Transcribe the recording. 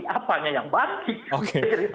apanya yang bankis